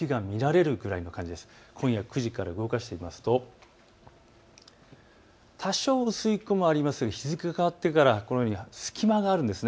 今夜９時から動かしてみますと多少、薄い雲がありますが日付変わってから隙間があるんです。